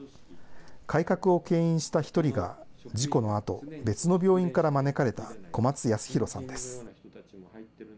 改革をけん引した一人が、事故のあと、別の病院から招かれた小松康宏さんです。